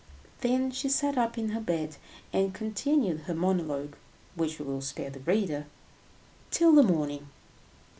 Then she sat up in her bed, and continued her monologue—which we will spare the reader—till the morning.